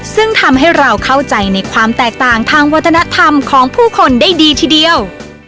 ซึ่งทำให้เราเข้าใจในความแตกต่างทางวัฒนธรรมของผู้คนได้ดีทีเดียว